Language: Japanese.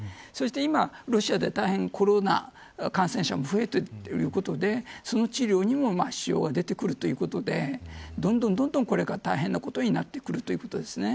そして、今ロシアではコロナ感染者が出ているのでその治療にも支障が出てくるということでどんどんこれから大変なことになってくるということです。